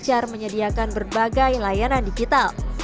dan juga menyediakan berbagai layanan digital